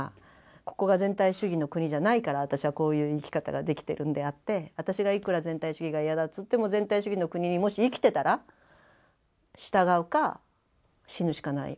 ここが全体主義の国じゃないから私はこういう生き方ができてるんであって私がいくら全体主義が嫌だっつっても全体主義の国にもし生きてたら従うか死ぬしかない。